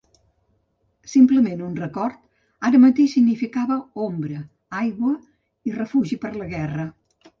simplement un record, ara mateix significava ombra, aigua i refugi per a la guerra.